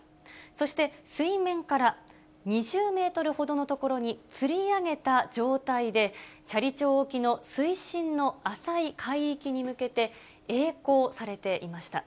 そして水面から２０メートルほどの所につり上げた状態で、斜里町沖の水深の浅い海域に向けて、えい航されていました。